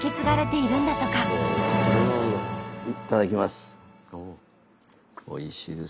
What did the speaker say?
いただきます。